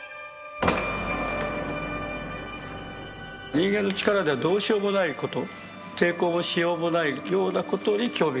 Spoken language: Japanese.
人間の力ではどうしようもないこと抵抗のしようもないようなことに興味があります。